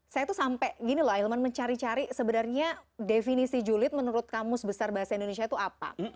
saya tuh sampai gini loh ahilman mencari cari sebenarnya definisi julid menurut kamu sebesar bahasa indonesia itu apa